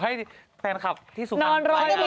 ให้ไปขอแต่ไปทันไม่ได้หรอกวันนี้